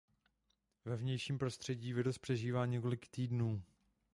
Ve vnějším prostředí virus přežívá několik týdnů.